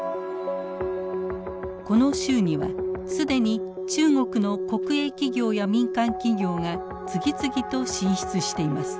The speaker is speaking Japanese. この州には既に中国の国営企業や民間企業が次々と進出しています。